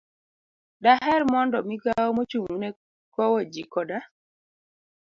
Daher mondo Migawo Mochung'ne Kowo Ji Koda